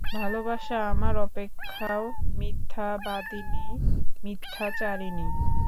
ভালোবাসা আমার অপেক্ষাও মিথ্যাবাদিনী মিথ্যাচারিণী।